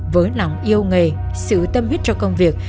với lòng yêu nghề sự tâm huyết cho công việc